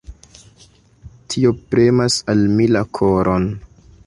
Tio premas al mi la koron.